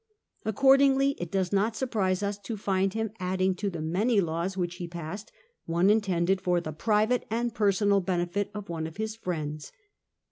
Accordingly it does not surprise us to find him adding to the many laws which he passed one intended for the private and personal benefit of one of his friends.